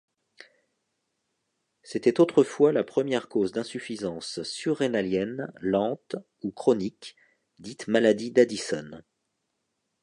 C'était autrefois la première cause d'insuffisance surrénalienne lente ou chronique dite maladie d'Addison.